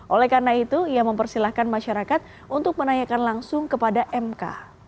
oleh karena itu ia mempersilahkan masyarakat untuk menanyakan langsung kepada mk